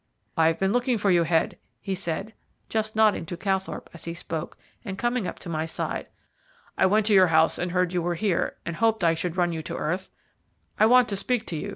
"I have been looking for you, Head," he said, just nodding to Calthorpe as he spoke, and coming up to my side. "I went to your house and heard you were here, and hoped I should run you to earth. I want to speak to you.